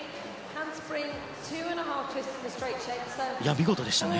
見事でしたね。